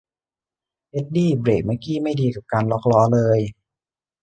เอ็ดดี้เบรกเมื่อกี๊ไม่ดีกับการล็อคล้อเลย